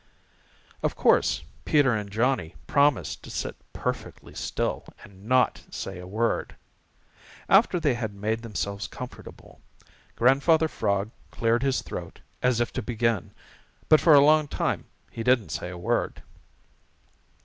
Of course Peter and Johnny promised to sit perfectly still and not say a word. After they had made themselves comfortable, Grandfather Frog cleared his throat as if to begin, but for a long time he didn't say a word.